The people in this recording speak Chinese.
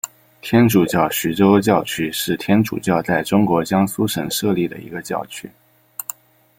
天主教徐州教区是天主教在中国江苏省设立的一个教区。